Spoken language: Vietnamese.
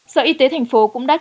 sở y tế thành phố cũng đã chỉnh